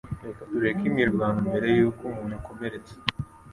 Reka tureke imirwano mbere yuko umuntu akomeretsa